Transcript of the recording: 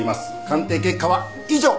鑑定結果は以上！